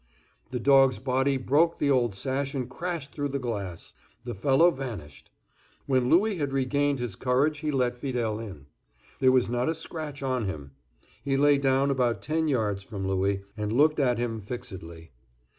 The dog's body broke the old sash and crashed through the glass. The fellow vanished. When Louis had regained his courage, he let Fidele in. There was not a scratch on him. He lay down about ten yards from Louis, and looked at him fixedly.